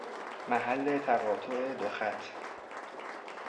محل تقاطع دو خط